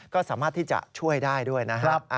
ก็สามารถที่จะช่วยได้ด้วยนะครับ